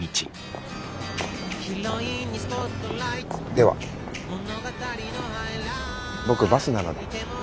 では僕バスなので。